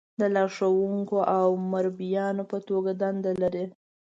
د لارښونکو او مربیانو په توګه دنده لري.